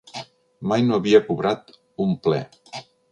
Mai no havia cobrat un ple.